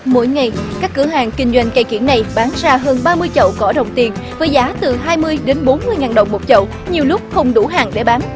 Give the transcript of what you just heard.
mỗi ngày các cửa hàng kinh doanh cây kiển này bán ra hơn ba mươi chậu cỏ đồng tiền với giá từ hai mươi đến bốn mươi ngàn đồng một chậu nhiều lúc không đủ hàng để bán